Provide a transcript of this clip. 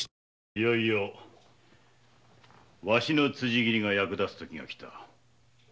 いよいよワシの辻斬りが役立つ時が来た。